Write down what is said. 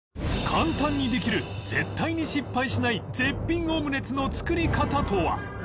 簡単にできる絶対に失敗しない絶品オムレツの作り方とは？